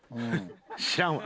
知らんわ。